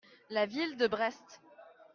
La ville de Brest.